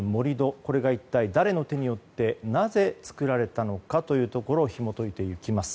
これが一体誰の手によってなぜ作られたのかをひも解いていきます。